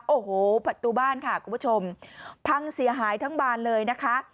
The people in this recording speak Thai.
โอ้โหประตูบ้านค่ะคุณผู้ชมพังเสียหายทั้งบานเลยนะคะ